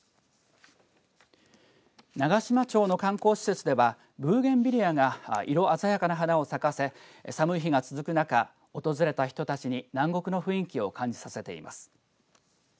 長島町の観光施設ではブーゲンビリアが色鮮やかな花を咲かせ寒い日が続く中訪れた人たちに南国の雰囲気を感じさせています。